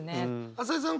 朝井さん